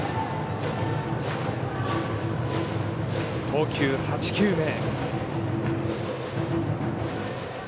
投球８球目。